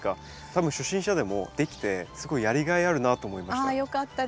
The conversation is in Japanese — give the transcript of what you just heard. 多分初心者でもできてすごいやりがいあるなと思いました。